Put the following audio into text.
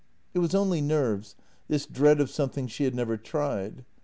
It was only nerves — this dread of something she had never tried.